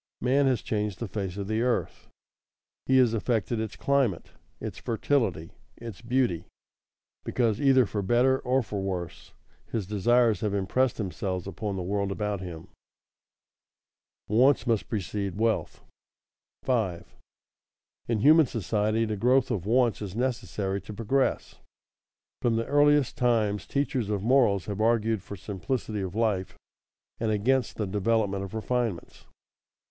Man has changed the face of the earth; he has affected its climate, its fertility, its beauty, because, either for better or for worse, his desires have impressed themselves upon the world about him. [Sidenote: Wants must precede wealth] 5. In human society the growth of wants is necessary to progress. From the earliest times teachers of morals have argued for simplicity of life and against the development of refinements.